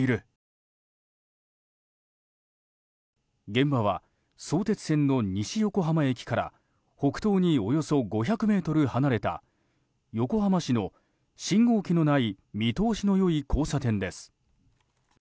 現場は、相鉄線の西横浜駅から北東に、およそ５００ｍ離れた横浜市の信号機のない見通しの良い交差点です。